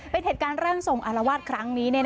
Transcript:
เป็นเหตุการณ์ร่างทรงอารวาสครั้งนี้